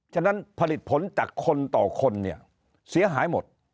ฉะนั้นผลิตผลจากคนต่อคนเนี่ยเสียหายหมด